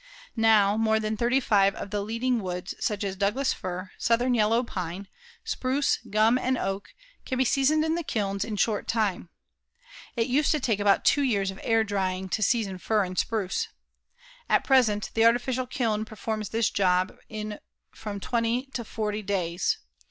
Now more than thirty five of the leading woods such as Douglas fir, southern yellow pine, spruce, gum and oak can be seasoned in the kilns in short time. It used to take about two years of air drying to season fir and spruce. At present the artificial kiln performs this job in from twenty to forty days.